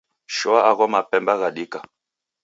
Shoa agho mapemba ghadika.